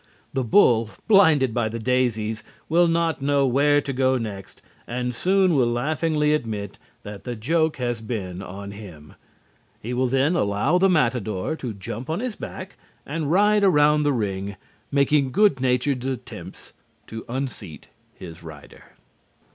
The bull, blinded by the daisies, will not know where to go next and soon will laughingly admit that the joke has been on him. He will then allow the matador to jump on his back and ride around the ring, making good natured attempts to unseat his rider.